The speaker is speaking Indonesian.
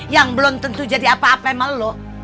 yang belum tentu jadi apa apa sama lo